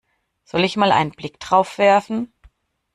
Soll ich mal einen Blick drauf werfen?